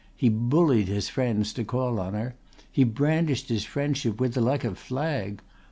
He bullied his friends to call on her. He brandished his friendship with her like a flag.